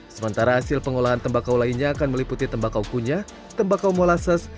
sementara hasil pengolahan tembakau lainnya akan meliputi tembakau kunyah tembakau molasses